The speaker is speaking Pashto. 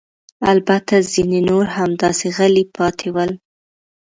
البته ځیني نور همداسې غلي پاتې ول.